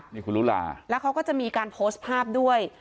นี่คุณลุลาแล้วเขาก็จะมีการโพสต์ภาพด้วย